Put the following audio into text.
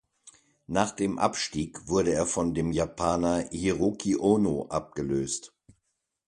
Nach dem Abstieg wurde er von dem Japaner Hiroki Ono abgelöst.